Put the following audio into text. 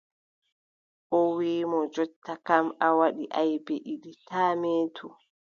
O wiʼi mo: jonta kam, a waɗi aybe ɗiɗi taa meetu.